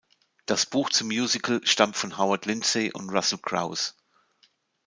Das Buch zum Musical stammt von Howard Lindsay und Russel Crouse.